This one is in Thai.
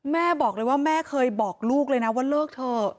แม่บอกเลยว่าแม่เคยบอกลูกเลยนะว่าเลิกเถอะ